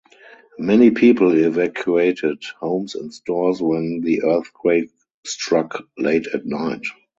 Many people evacuated homes and stores when the earthquake struck late at night.